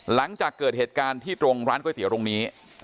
หลังจากเกิดเหตุการณ์ที่ตรงร้านก๋วยเตี๋ยวตรงนี้